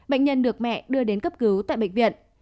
bệnh nhân được mẹ đưa đến cấp cứu tại bệnh viện